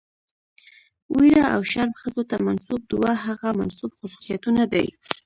ويره او شرم ښځو ته منسوب دوه هغه منسوب خصوصيتونه دي،